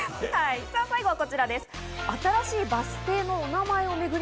最後はこちらです。